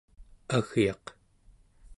agyaq